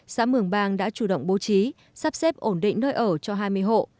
xã mường bang đã chủ động bố trí sắp xếp ổn định nơi ở cho hai mươi hộ